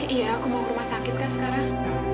iya aku mau ke rumah sakit kan sekarang